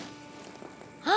apalagi dia bawa bosnya